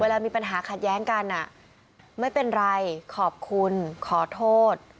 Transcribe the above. เวลามีปัญหาขัดแย้งกันไม่เป็นไรขอบคุณขอโทษ